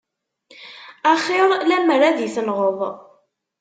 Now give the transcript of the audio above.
A xir lemmer ad i-tenɣeḍ.